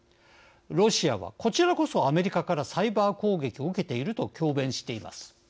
ロシアはこちらこそアメリカからサイバー攻撃を受けていると強弁しています。